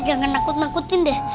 jangan nakut nakutin deh